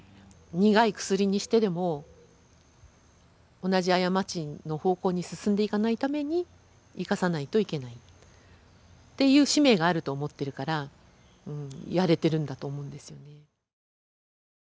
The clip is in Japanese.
苦い薬にしてでも同じ過ちの方向に進んでいかないために生かさないといけないっていう使命があると思ってるからやれてるんだと思うんですよね。